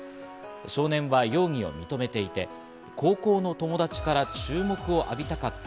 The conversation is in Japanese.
少年は容疑を認めていて、高校の友達から注目を浴びたかった。